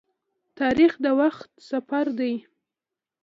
تاریخ د وخت سفر دی.